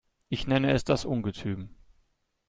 Ich nenne es das Ungetüm.